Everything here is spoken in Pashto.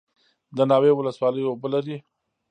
د ناوې ولسوالۍ اوبه لري